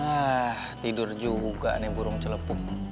ah tidur juga nih burung celepuk